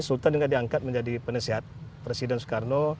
sultan ini diangkat menjadi penyiasat presiden soekarno